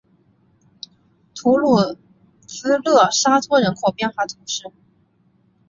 图卢兹勒沙托人口变化图示